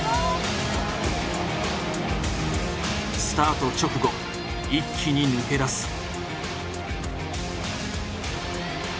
スタート直後一気に抜け出す。